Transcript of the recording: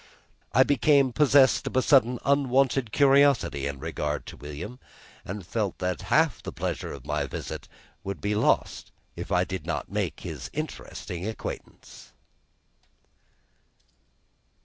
I became possessed of a sudden unwonted curiosity in regard to William, and felt that half the pleasure of my visit would be lost if I could not make his interesting acquaintance.